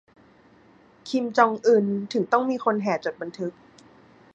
'คิมจองอึน' ถึงต้องมีคนแห่จดบันทึก